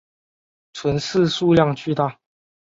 存世数量巨大。